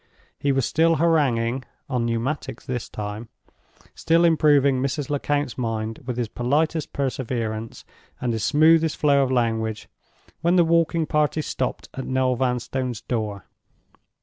He was still haranguing (on Pneumatics this time), still improving Mrs. Lecount's mind with his politest perseverance and his smoothest flow of language—when the walking party stopped at Noel Vanstone's door.